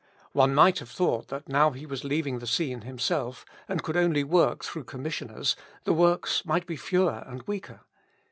One might have thought that now He was leaving the scene Himself, and could only work through commissioners, the works might be fewer and weaker.